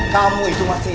kamu itu masih istimewa